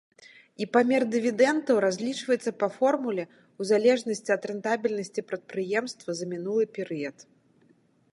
І памер дывідэндаў разлічваецца па формуле ў залежнасці ад рэнтабельнасці прадпрыемства за мінулы перыяд.